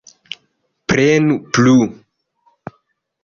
Prenu plu.